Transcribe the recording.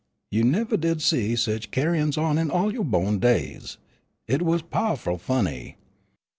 "You nevah did see sich ca'in's on in all yo' bo'n days. It was pow'ful funny.